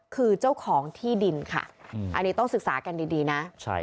คือเจ้าของที่ดินค่ะอันนี้ต้องศึกษากันดีนะ